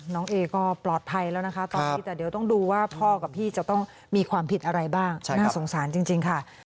น้องเอก็ปลอดภัยแล้วนะคะตอนนี้แต่เดี๋ยวต้องดูว่าพ่อกับพี่จะต้องมีความผิดอะไรบ้างน่าสงสารจริงค่ะ